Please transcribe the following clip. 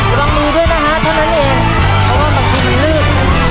ระวังมือด้วยนะฮะเท่านั้นเองเพราะว่าบางทีมันลื่น